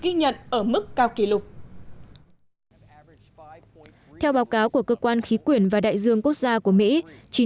ghi nhận ở mức cao kỷ lục theo báo cáo của cơ quan khí quyển và đại dương quốc gia của mỹ